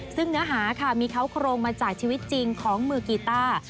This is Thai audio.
ซึ่งเนื้อหาค่ะมีเขาโครงมาจากชีวิตจริงของมือกีต้า